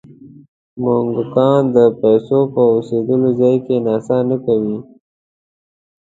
موږکان د پیسو په اوسېدلو ځای کې نڅا نه کوي.